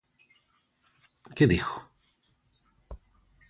Que digo?